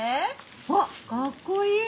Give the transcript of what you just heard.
あっカッコいい！